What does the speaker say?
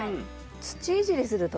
土いじりするとね